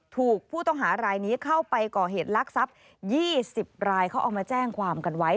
ถูกผู้ต้องหารายนี้เข้าไปก่อเหตุลักษัพ๒๐รายเขาเอามาแจ้งความกันไว้